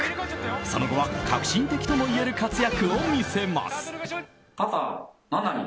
その後は、革新的ともいえる活躍を見せます。